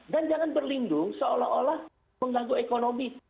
dan jangan berlindung seolah olah mengganggu ekonomi